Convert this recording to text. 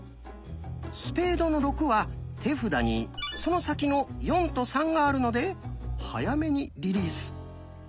「スペードの６」は手札にその先の「４」と「３」があるので早めにリリース。